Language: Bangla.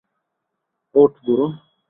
ওঠ, বুড়ো।